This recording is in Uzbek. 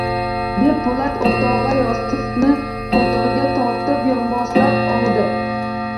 Deb Toshpo‘lat o‘tog‘a yostiqni qo‘ltig‘iga tortib yonboshlab oldi